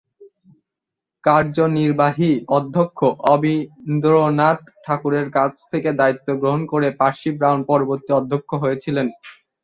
কার্যনির্বাহী অধ্যক্ষ অবনীন্দ্রনাথ ঠাকুরের কাছ থেকে দায়িত্ব গ্রহণ করে পার্সি ব্রাউন পরবর্তী অধ্যক্ষ হয়েছিলেন।